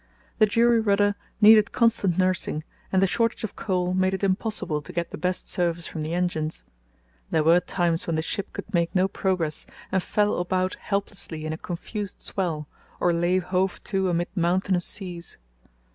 The jury rudder needed constant nursing, and the shortage of coal made it impossible to get the best service from the engines. There were times when the ship could make no progress and fell about helplessly in a confused swell or lay hove to amid mountainous seas.